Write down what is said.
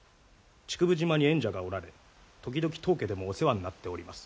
竹生島に縁者がおられ時々当家でもお世話になっております。